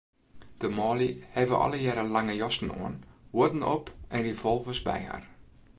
De manlju hawwe allegearre lange jassen oan, huodden op en revolvers by har.